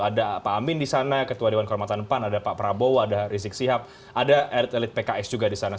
ada pak amin di sana ketua dewan kehormatan pan ada pak prabowo ada rizik sihab ada elit elit pks juga di sana